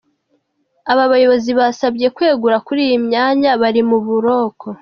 Aba bayobozi basabye kwegura kuri iyi myanya bari mu buroko.